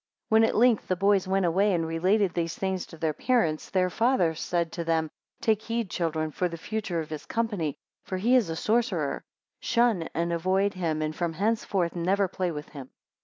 7 When at length the boys went away, and related these things to their parents, their fathers said to them, Take heed, children, for the future of his company, for he is a sorcerer; shun and avoid him, and from henceforth never play with him.